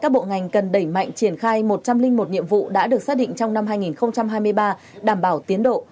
các bộ ngành cần đẩy mạnh triển khai một trăm linh một nhiệm vụ đã được xác định trong năm hai nghìn hai mươi ba đảm bảo tiến độ